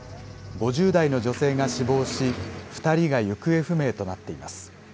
５０代の女性が死亡し２人が行方不明となっています。